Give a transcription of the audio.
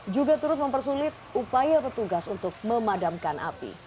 juga turut mempersulit upaya petugas untuk memadamkan api